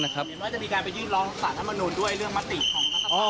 อืมว่าจะมีการยื่นรองสาธารณ์มนุษย์ด้วยเรื่องมัตติของนะครับ